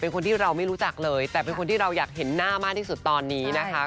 คนที่เราไม่รู้จักเลยแต่เป็นคนที่เราอยากเห็นหน้ามากที่สุดตอนนี้นะคะ